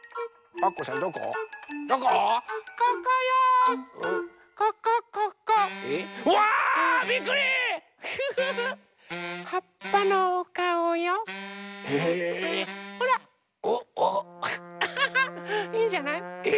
アハハいいんじゃない？え？